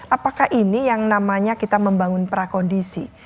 apakah ini yang namanya kita membangun prakondisi